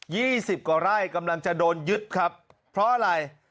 สิบกว่าไร่กำลังจะโดนยึดครับเพราะอะไร